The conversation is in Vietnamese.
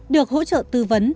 được hỗ trợ tư vấn